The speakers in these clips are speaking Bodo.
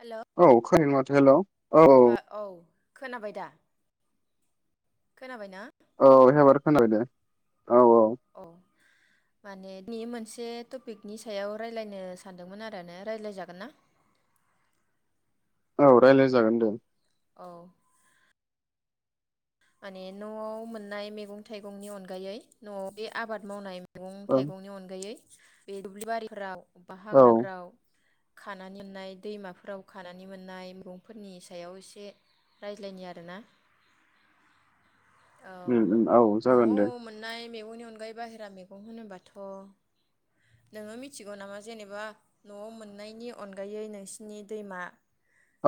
हेलौ औ खोनानो माथो हेलौ औ औ खोनाबाय दा खोनाबाय ना। औ एबार खोनाबाय दे औ औ औ माने नि मोनसे टपिकनि सायाव रायज्लायनो सानदोंमोन आरो ना राय्लायजागोन ना? औ रायज्लाय जागोन दे। औ माने नआव मोननाय मेगं थाइगंनि अनगायै नआव दि आबाद मावनाय। मैगं औ थाइगंनि अनगायै- बे दुबलि बारिफोराव बा औ हाग्राफोराव। खानानै मोननाय दैमाफोराव खानानै मोननाय मैगंफोरनि सायाव एसे रायज्लायनि आरोना। उम उम औ जागोन दे। मेगंनि अनगायै बाहेरा मेगं होनोबाथ नोङो मिथिगौ नामा जेनेबा नआव मोननायनि अनगायै नोंसिनि दैमा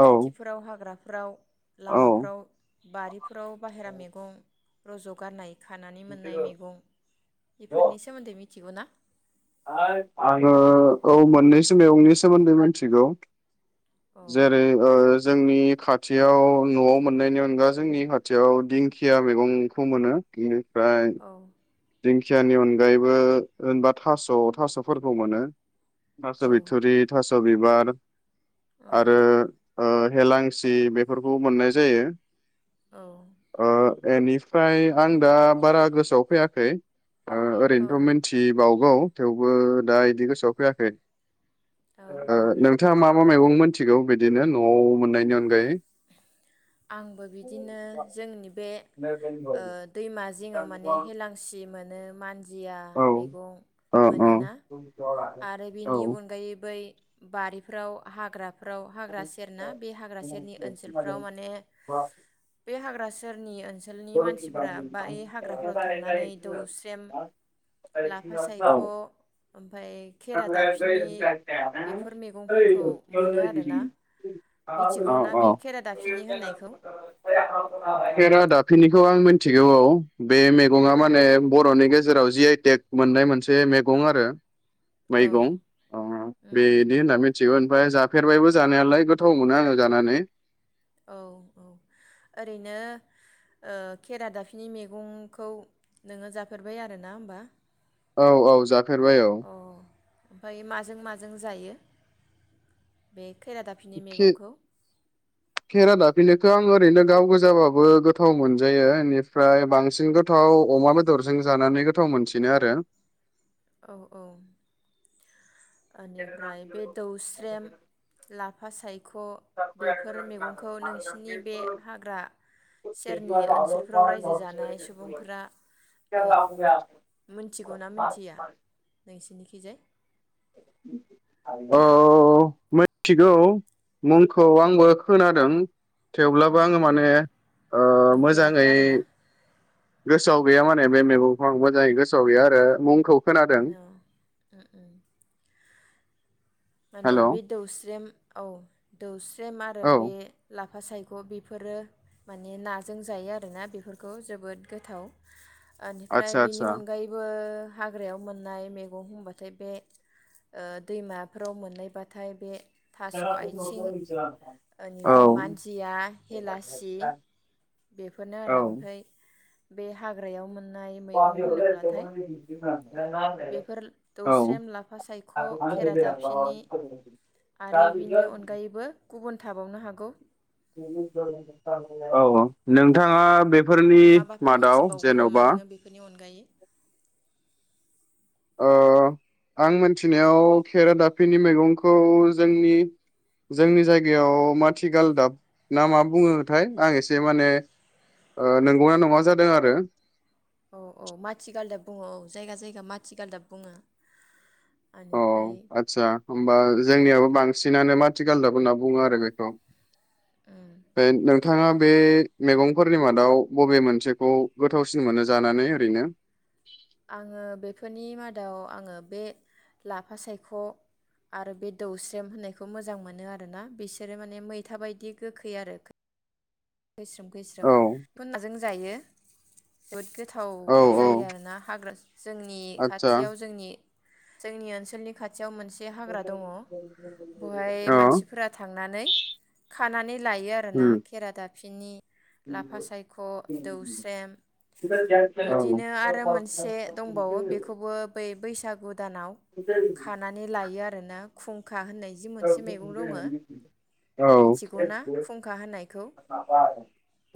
औ खाथिफोराव हाग्रा फ्राव औ लामाफ्राव बारि [unintelligible] बाहहेरा मेगं रज गारनाय खानानै मोननाय मेगं बेफोरनि सोमोन्दै मिथिगौ ना? आङो औ मोननैसो मेगंनि सोमोन्दै मिथिगौ। औ जेरै ओ जोंनि खाथियाव नआव मोननायनि अनगा जोंनि खाथियाव दिंखिया मैगंखौ मोनो इनो ओमफ्राय औ दिंखियानि अनगायैबो होनबा थास थासफोरखौ मोनो। थास औ बिथुरि थास बिबार औ आरो ओ हेलांसि बेफोरखौ मोननाय जायो। औ ओ एनिफ्राय आं दा बारा गोसोआव फैया खै। ओ औ ओरैनोथ' मिनथिबावगौ। थेवबो दा इदि गोसोआव फैयाखै। औ ओ औ नोंथाङा मा मा मैगं मोनथिगौ बिदिनो नवाव मोननायनि अनगायै। आंबो औ बिदिनो जोंनि बे ओ दैमा जिङाव माने हेलां सि मोनो मानजिया औ मैगं औ मोनोना आरो बेनि अनगायैबो बै बारिफोराव हाग्रा फ्राव हाग्रा सेर ना बे हाग्रा सेरनि ओनसोलफ्राव माने बे हाग्रा सि सेरनि ओन सोलनि मानसिफोरा बाय हाग्राफोराव थांनानै दौस्रेम लाफा औ औ सायख' फाय खेरादाफिनि बेफोर मैगंफोरखौ मोनो आरो ना मिथिगौ ना बे खेरा दाफिनि होननाय खेरादाफिनिखौ आं मोन थिगौ औ। बे मेगङा औ माने बर'नि गेजे जेराव जि आइ टेक मोननाय मोनसे मैगं आरो। औ मैगं अ उम उम बेदि होनना मिथिगौ। फाय जाफेरबायबो जानायालाय गोथाव मोनो आङो जानानै। औ औ ओरैनो ओ खेरा दाफिनि मैगंखौ नोङो जाफेरबाय आरोना होमबा? औ औ जाफेरबाय औ। जों जायो बे खैरादाफिनि मैगंखौ। फिनिखौ आं ओरैनो गावगोजाबाबो गोथाव मोनजायो बेनिफ्राय बांसिन गोथाव अमा बेदरजों जानानै गोथाव मोनसिनो आरो। औ औ ओनिफ्राय बे दौस्रेम ला फा साय ख' बेफोर मेगंखौ नोंसिनि बे हाग्रा सेरनि ओनसोलफोराव रायजो जानाय सुबुंफोरा ओ मिनथिगौना मिथिया? नोंसोरनिखिजाय औ मिथिगौ मुंखौ आंबो खोनादों। थेवब्लाबो आङो माने अ नुफेराखै मोजाङै आरोना गोसोआव गैया माने बे मैगंखौ मोजाङै गोसोआव गैया आरो मुंखौ खोनादों औ उम उम। माने हेल' औ बे दौस्रेम औ दौस एम आरो बे ला फा सायख' बेफोरो माने नाजों जायो आरोना बेफोरखौ जोबोद गोथाव। आनिफ्राय आदसा बेनि आदसा अनगायैबो हाग्रायाव मोननाय मेगं होनबाथाय बे ओ दैमा फ्राव मोननायबाथाय बे थास' आथिं औ एनिफ्राय मानजिया, हेलासि बेफोरनो औ आरो ओमफ्राय बे हाग्रायाव मोन [unintelligible] बेफोर औ दौस्रेम, लाफा सायख', खेरा दाफिनि आरो बिनि अनगायैबो गुबुन थाबावनो हागौ। औ औ नोंथांङा बे माबाफोर मिथिबावगौ नामा नोंङो बेफोरनि अनगायै ओ आं मोनथिनायाव खेरा दाफिनि मैगंखौ जोंनि जोंनि जायगायाव माथिगाल दाब ना मा बुङोथाय आं एसे माने अ नंगौना नङा जादों आरो। औ औ माथिगालदाब बुङो औ जायगा जायगा माथिगालदाब बुङो। औ बेनिफ्राय आदसा होमबा जोंनियाबो बांसिनानो माथि गालदाब होनना बुङो आरो बेखौ। बे नों थाङा बे मेगंफोरनि मादाव बबे मोनसेखौ गोथावसिन मोनो जानानै ओरैनो? आंङो बेफोरनि मा दाउ आङो बे लाफा सायख' आरो बे दौस्रेम होननायखौ मोजां मोनो आरोना बिसोरो माने मैथा बायदि गोखै आरो। खैस्रोम खैस्रोम औ [unintelligible] जायो जोबोद गो थाव औ औ जायो आरोना हाग्रा जोंनि आदसा खाथियाव जोंनि जोंनि ओनसोलनि खा थियाव मोनसे हाग्रा दङ बहाय अ मानसिफोरा थांनानै खानानै लायो आरो ना उम खेरा दा फिनि, लाफा सायख', दौस्रेम बिदिनो आरो मोनसे दंबावो बेखौबो ब बैसागु गोदानाव खानानै लायो आरो आरो ना खुं खुंखा होननाय जि मोनसे मैगं दङ औ मिथिगौ ना खुंखा होननायखौ?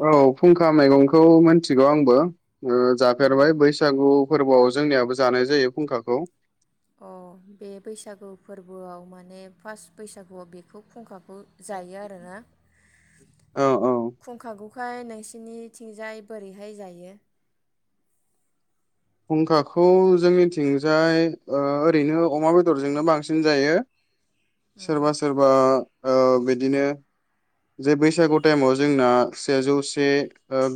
औ फुंखा मैगंखौ मिथिगौ आंबो। ओ जाफेर बाय बैसागु फोरबोआव जोंनियाबो जानाय जायो फुंखाखौ अ बे बैसागु फोरबोआव माने फार्स्ट बैसागुआव बेखौ फुंखाखौ जायो आरोना औ औ खुंखाखौ खौहाय नोंसोरनि थिंजाय बोरैहाय जायो फुंखाखौ जोंनिथिंजाय ओ ओरैनो अमा बेदरजोंनो बांसिन जायो सोरबा सोरबा ओ बिदिनो जे बैसागु टाइमाव जोंना सेजौसे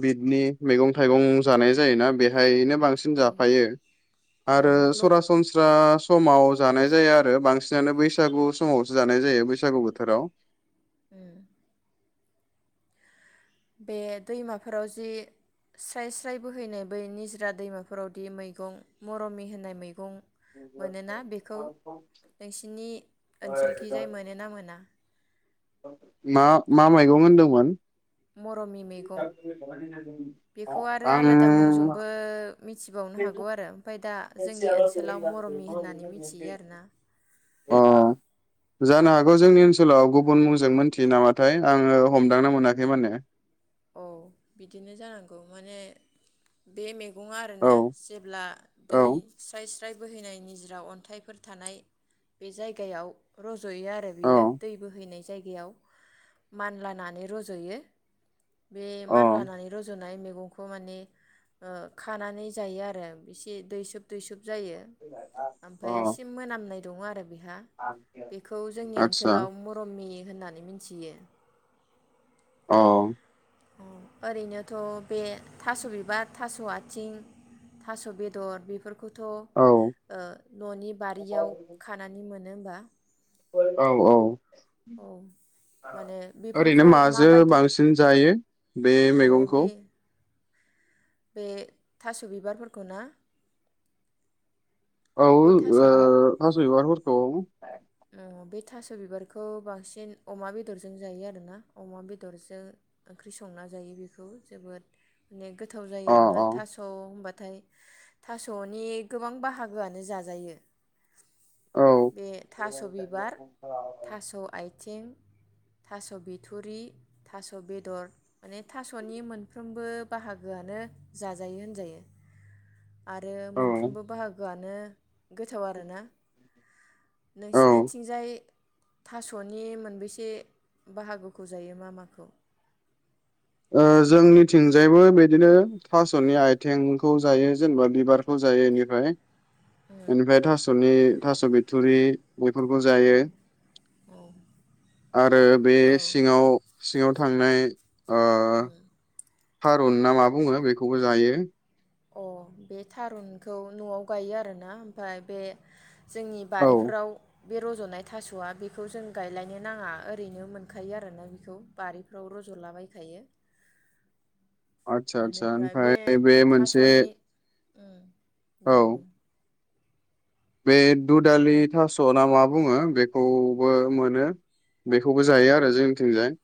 बिदनि मैगं थाइगं जानाय जायोना बेहायनो बांसि औ जाफायो औ आरो लक सरासनस्रा समाव जानाय जाया आरो बांसिनानो बैसागु समावसो जानाय जायो बैसागु बोथोराव उम बे दैमाफोराव जि स्राय स्राय बोहैनाय बै निजरा दैमाफोरावदि मैगं मरमि होनाय मैगं मोनोना बेखौ नोंसिनि ओनसोलखि जाय मोनो ना मोना मा मा मैगं होन्दोंमोन मरमि मैगं बेखौ आरो आलादा मुंजोंबो आंङो मिथिबावनो हागौ आरो ओमफ्राय दा जोंनि ओनसोलाव मरमि होननानै मिथियो आरोना अ जानो हागौ जोंनि ओनसोलाव गुबुन मुंजों मोनथियो नामाथाय आंङो हमदांनो मोनाखै माने औ बिदिनो जानांगौ माने बे मेगं बुङा औ आरोना जेब्ला दै औ स्राय स्राय बोहैनाय निजिरा अन्थाइफोर थानाय बे जायगायाव रज'यो आरो औ बियो दै बोहैनाय जायगायाव मानलानानै रज'यो बे अ मानलानानै रज'नाय मैगंखौ बे खौ माने ओ खानानै जायो आरो इसे दै सोब दुइसब जायो ओमफ्राय अ इसे मोनामनाय दङ आरो बेहा बेखौ जोंनि आतसा ओनसोलाव मरमि होननानै मिथियो औ ओरैनोथ बे थास बिबार थास आथिं थास बेदर बेफोरखौ खौथ' ओ औ न'नि बारियाव खानानै मोनो होमबा औ औ औ माने ओरैनो बेफोरखौ माजों माबायदि बांसिन जायो बे अ मैगंखौ? बे बे थास' बिबारफोरखौ ना? औ ओ बे थास' बिबार थास' बिबारफोर औ अ बे थास' बिबारखौ बांसिन अमा बेदरजों जायो आरोना, अमा बेदरजों ओंख्रि संना जायो बेखौ जोबोद माने गोथाव जायो अ आरोना, थास' होनबा फायय थास'नि गोबां बाहागोआनो जाजायो। औ बे थास' बिबार थास' आइ आथिं, थास' बिथरि थास' बेदर, माने थास'नि मोनफ्रोमबो बाहागोआनो जाजायो होनजायो। आरो औ मोनफ्रोमबो बाहागोआ नो गोथाव आरोना। औ नोंसिनिथिंजाय थास'नि मोनबेैसे बाहागोखौ जायो मा माखौ? ओ जोंनिथिंजायबो बिदिनो थास'नि आइथेंखौ जायो, जेनेबा बिबारखौ जायो बेनिफ्राय एनिफ्रायथ' थास'नि थास' बिथुरि बेफोरखौ औ जायो आरो बे औ सिङाव सिङाव थांनाय ओ थारुन ना मा बुङो बेखौबो जायो। अ बे थारुनखौ न'आव गायो आरोना ओमफ्राय बे जोंनि औ बारिफोराव बे रज'नाय थास'आ बेखौ जों गायलायनो नाङा, ओरैनो मोनखायो आरोना बेखौ बारिफ्रावनो रज'लाबायखायो। आतसा आतसा ओमफ्राय बे मोनसे थास'नि उम औ दे बुं! बे दुदालि थास'ना मा बुङो बेखौबो मोनो। बेखौबो जायो औ आरो जोंनिथिंजाय।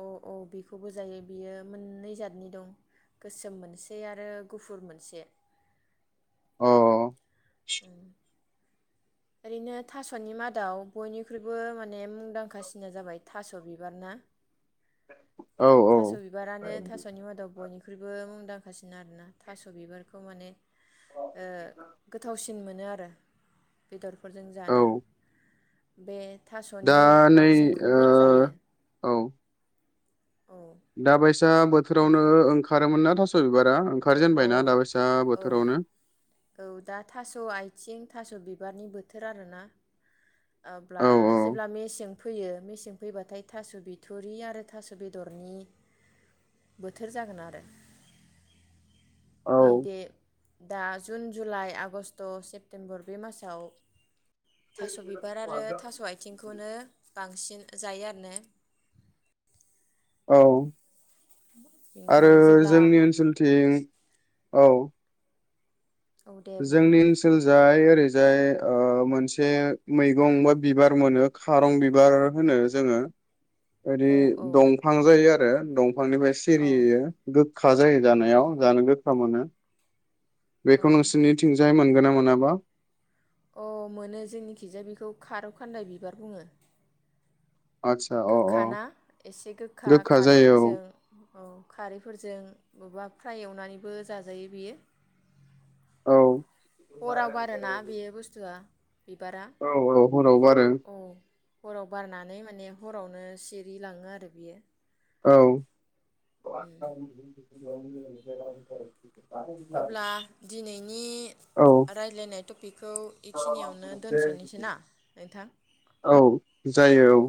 औ औ बेखौबो जायो बियो मोननै जादनि दं, गोसोम मोनसे आरो गुफुर मोनसे अ [inaudible] ओरैनो थास'नि मादाव बयनिख्रुइबो माने मुंदांखासिना जाबाय थास' बिबार ना औ थास' बिबारानो थास'नि मादाव बयनिख्रुइबो मुंदां गासिनो आरोना थास' बिबारखौ माने ओ गोथावसिन मोनो आरो। बेदर फोरजों औ जानो बे दा थास'नि नै आथिंखौबो ओ जायो। औ दाबाय सा बोथोरावनो ओंखारोमोन ना थास बिबारा अ ओंखारजेनबायना दा बायसा औ बोथोरावनो? औ दा थास' आथिं थास' बिबारनि बोथोर आरोना। औ अब्ला जेब्ला मेसें फैयो मेसें फैबाथाय थास' बिथुरि आरो थास बेदरनि बोथोर जागोन आरो। औ नै दे दा जुन, जुलाइ, आगष्ट, सेप्तेम्बर बे मासाव थास बिबार आरो थास आथिंखौनो बांसिन जायो आरोने? औ आरो बेनिफ्राय जेब्ला जोंनि ओनसोलथिं औ औ दे बुं जोंनि ओनसोलजाय ओरैजाय मोनसे मैगं बा बिबार मोनो खारं बिबार होनो जोङो। ओदि औ औ दंफां जायो आरो। दं फांनिफ्राय औ सिरियो गोखा जायो जानायाव जानो गो खा मोनो। औ बेखौ नोंसोरनिथिंजाय मोन गोन मोनाबा? अ मोनो जोंनिखिजाया बेखौ खारौ खान्दाय बिबार बुङो। आदसा अ अ गोखाना एसे गोखा खारैफोरजों औ खारैफोरजों बबेबा फ्राय एवनानैबो जाजायो बेयो। औ हराव बारोना बे बुस्थुआ? बिबारा औ औ हराव बारो। औ हराव बारनानै माने हरावनो सिरि लाङो आरो बियो। औ [inaudible] [unintelligible] अब्ला दिनैनि औ रायज्लायनाय टपिकखौ एखिनियावनो दोनसनोसै ना नोंथां औ औ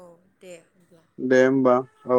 औ। दे। अब्ला दे होमबा। औ